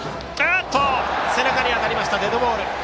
背中に当たってデッドボール。